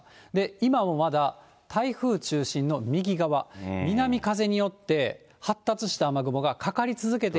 今もまだ台風中心の右側、南風によって発達した雨雲がかかり続けている。